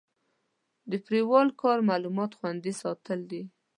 د فایروال کار معلومات خوندي ساتل دي.